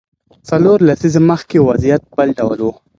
څلور لسیزې مخکې وضعیت بل ډول و.